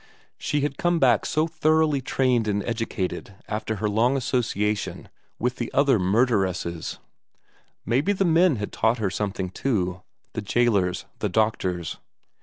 She had come back so thoroughly trained and educated after her long association with the other murderesses; maybe the men had taught her something too the gaolers, the doctors.